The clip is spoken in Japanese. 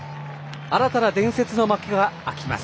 新たな伝説の幕が開きます。